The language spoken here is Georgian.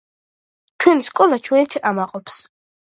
ჩვენი სკოლა ჩვენით ამაყობს!